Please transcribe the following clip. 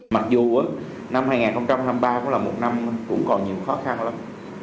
mặc dù năm hai nghìn hai mươi ba cũng là một năm cũng còn nhiều khó khăn lắm